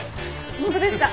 ホントですか？